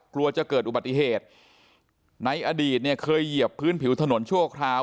กลัวจะเกิดอุบัติเหตุในอดีตเนี่ยเคยเหยียบพื้นผิวถนนชั่วคราว